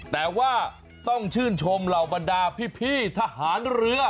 แต่ว่าต้องชื่นชมเหล่าบรรดาพี่ทหารเรือ